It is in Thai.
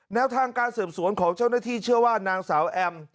แนวทางการสืบสวนของเจ้าหน้าที่เชื่อว่านางสาวแอม